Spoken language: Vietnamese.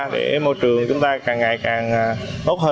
để môi trường của chúng ta càng ngày càng tốt